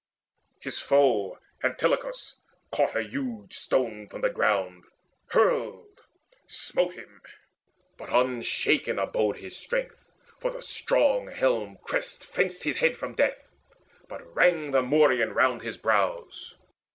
His foe Antilochus caught a huge stone from the ground, Hurled, smote him; but unshaken abode his strength, For the strong helm crest fenced his head from death; But rang the morion round his brows.